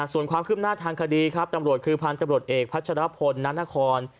ส่วนความคืบหน้าทางคดีครับตำรวจคือพันธุ์ตำรวจเอกพัชรพลนานคร